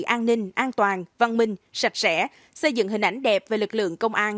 an ninh an toàn văn minh sạch sẽ xây dựng hình ảnh đẹp về lực lượng công an